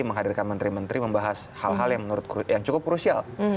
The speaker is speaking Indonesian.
menghadirkan menteri menteri membahas hal hal yang cukup krusial